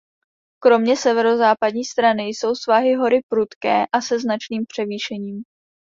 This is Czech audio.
Kromě severozápadní strany jsou svahy hory prudké a se značným převýšením.